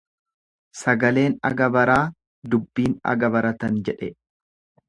"""Sagaleen aga baraa, dubbiin aga baratan"" jedhe."